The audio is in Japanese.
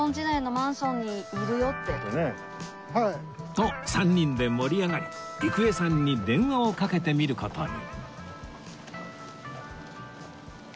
と３人で盛り上がり郁恵さんに電話をかけてみる事に